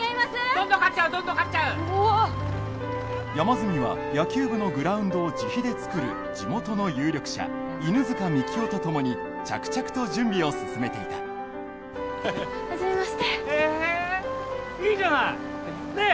どんどん刈っちゃうどんどん刈っちゃううわっ山住は野球部のグラウンドを自費でつくる地元の有力者犬塚樹生とともに着々と準備を進めていた初めましてへえいいじゃないねえ？